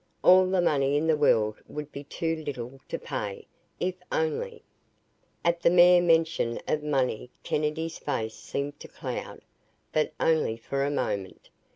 All the money in the world would be too little to pay if only " At the mere mention of money Kennedy's face seemed to cloud, but only for a moment.